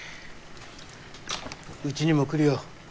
うちにも来るよ。